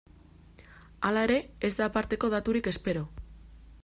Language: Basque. Hala ere, ez da aparteko daturik espero.